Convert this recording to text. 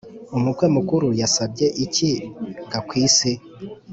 Umukwe mukuru yasabye iki gwakwisi?